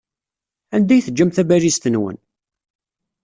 Anda ay teǧǧam tabalizt-nwen?